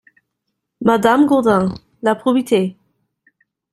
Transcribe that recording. Madame Gaudin La probité !